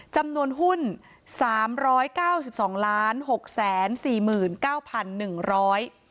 จำนวนหุ้นสามร้อยเก้าสิบสองล้านหกแสนสี่หมื่นเก้าพันหนึ่งร้อย